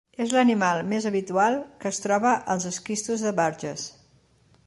És l'animal més habitual que es troba als Esquistos de Burgess.